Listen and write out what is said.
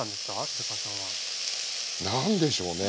立川さんは。何でしょうね？